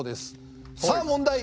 さあ問題。